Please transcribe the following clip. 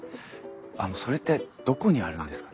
あのそれってどこにあるんですか？